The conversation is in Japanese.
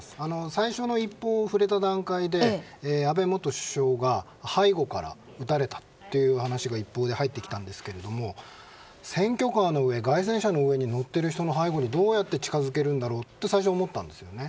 最初の一報を触れた段階で安倍元首相が背後から撃たれたという話が一報で入ってきたんですけども選挙カーの上街宣車の上に乗ってる人の背後にどうやって近づけるんだろうって最初思ったんですね。